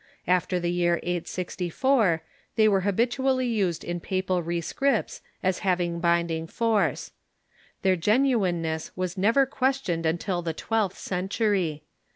After the year 864 they were habitually used in papal rescripts as having binding force. Their genu ineness Avas never questioned until the twelfth century.